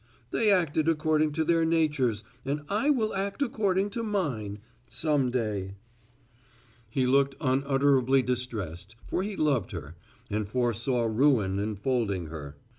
"They acted according to their natures and I will act according to mine some day." He looked unutterably distressed, for he loved her, and foresaw ruin enfolding her.